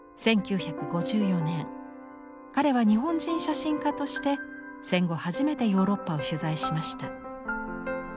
１９５４年彼は日本人写真家として戦後初めてヨーロッパを取材しました。